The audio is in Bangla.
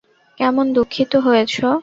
কেমন দুঃখিত হয়েছো?